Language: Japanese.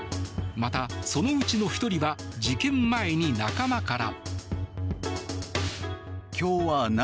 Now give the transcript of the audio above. また、そのうちの１人は事件前に仲間から。